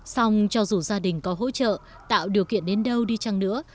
xong cho dù gia đình có hỗ trợ tạo điều kiện đến đâu đi chăng nữa